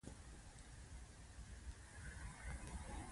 نجلۍ له خندا زړونه رغوي.